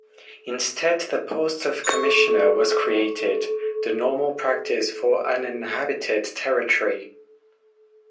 Instead the post of Commissioner was created, the normal practice for uninhabited territory.